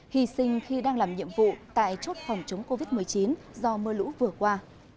hy sinh khi đang làm nhiệm vụ tại chốt phòng chống covid một mươi chín do mưa lũ vừa qua